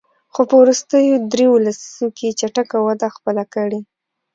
خو په وروستیو دریوو لسیزو کې یې چټکه وده خپله کړې.